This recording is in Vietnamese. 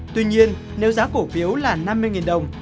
tuy nhiên nếu giá cổ phiếu là năm mươi đồng